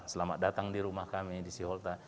selamat datang di rumah kami di siholta